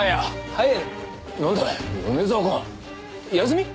はい？